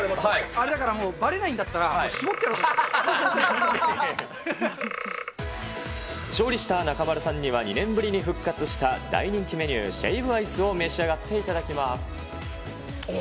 あれだから、ばれないんだったら、勝利した中丸さんには、２年ぶりに復活した大人気メニュー、シェイブアイスを召し上がっああ。